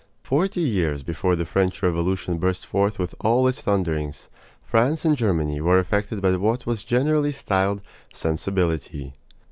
Forty years before the French Revolution burst forth with all its thunderings, France and Germany were affected by what was generally styled "sensibility."